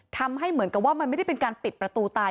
ทำให้เหมือนกับว่ามันไม่ได้เป็นการปิดประตูตาย